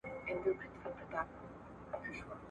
تخت ورته جوړ سي، سړی کښیني لکه سیوری غلی ,